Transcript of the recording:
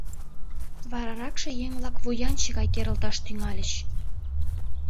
Вараракше еҥ-влак вуянче гай керылташ тӱҥальыч.